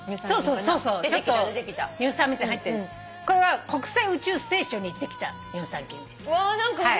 これは国際宇宙ステーションに行ってきた乳酸菌です。